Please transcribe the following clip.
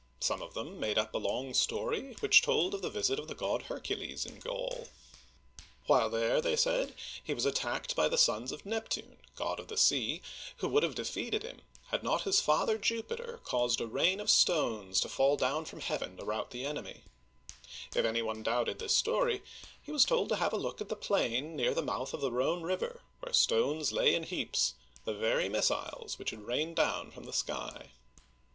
Some of them made up a long story which told of the visit of the god Her'cules in Gaul. 1 Story of the English^ pp. 19 20. uigiTizea Dy vjiOOQlC THE GAULS 21 While there, they said, he was attacked by the sons of Neptune, god of the sea, who would have defeated him, had not his father Jupiter caused a rain of stones to fall down from heaven to rout the enemy. If any one doubted this story, he was told to look at the plain near the mouth of the Rhone River, where stones lay in heaps — the very missiles which had rained down from the sky